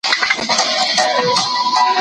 که ستوري وي نو اسمان نه خالی کیږي.